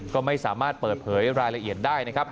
ก็ไม่สามารถเปิดเผยรายละเอียดได้นะครับ